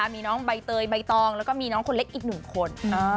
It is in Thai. มีน้องใบเตยใบตองแล้วก็มีน้องคนเล็กอีกหนึ่งคน